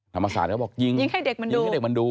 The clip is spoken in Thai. ถามศาสตร์ก็บอกยิงยิงให้เด็กมันดู